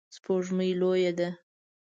سپوږمۍ لویه ده